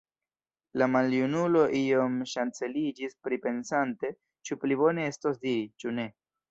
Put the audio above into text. La maljunulo iom ŝanceliĝis, pripensante, ĉu pli bone estos diri, ĉu ne.